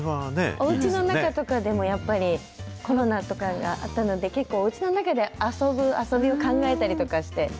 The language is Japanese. おうちの中とかでもやっぱり、コロナとかがあったので、結構うちの中で遊ぶ遊びを考えたりとかして。